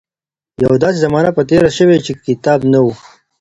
يوه داسې زمانه به تېره شوې وي چې کتاب نه و.